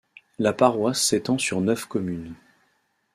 La paroisse s'étend sur neuf communes.